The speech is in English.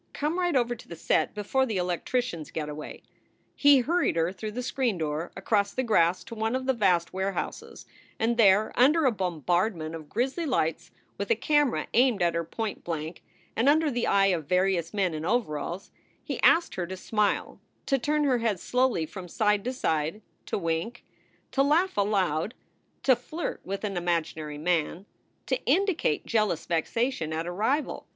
Come right over to the set before the electricians get away." SOULS FOR SALE 197 He hurried her through the screen door, across the grass to one of the vast warehouses, and there under a bombard ment of grisly lights, with a camera aimed at her point blank and under the eye of various men in overalls, he asked her to smile, to turn her head slowly from side to side, to wink, to laugh aloud, to flirt with an imaginary man, to indicate jealous vexation at a rival.